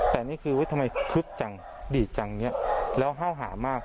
และนี่คือทำไมคึบจังดีจังแล้วเห้าหามาก